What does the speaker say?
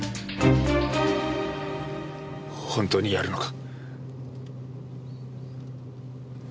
本当にやるのか？